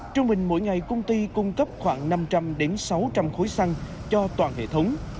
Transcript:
trung bình mỗi ngày công ty cung cấp khoảng năm trăm linh sáu trăm linh khối săn cho toàn hệ thống